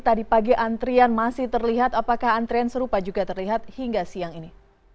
tadi pagi antrian masih terlihat apakah antrean serupa juga terlihat hingga siang ini